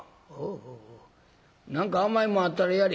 何か甘いもんあったらやれ。